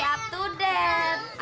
mau potong rambut ya